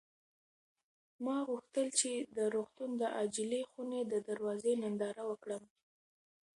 ما غوښتل چې د روغتون د عاجلې خونې د دروازې ننداره وکړم.